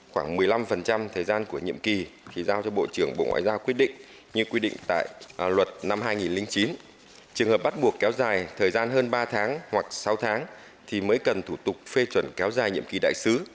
khoảng một mươi năm thời gian của nhiệm kỳ thì giao cho bộ trưởng bộ ngoại giao quyết định như quy định tại luật năm hai nghìn chín trường hợp bắt buộc kéo dài thời gian hơn ba tháng hoặc sáu tháng thì mới cần thủ tục phê chuẩn kéo dài nhiệm kỳ đại sứ